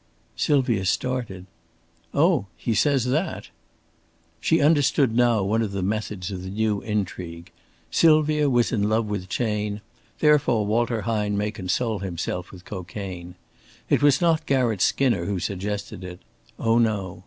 Sylvia started. "Oh, he says that!" She understood now one of the methods of the new intrigue. Sylvia was in love with Chayne; therefore Walter Hine may console himself with cocaine. It was not Garratt Skinner who suggested it. Oh, no!